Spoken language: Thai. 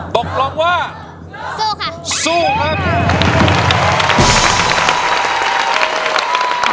ตกลงว่าสู้ค่ะสู้ครับ